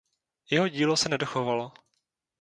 Jeho dílo se nedochovalo.